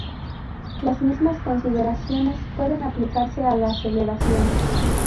Las mismas consideraciones pueden aplicarse a la aceleración.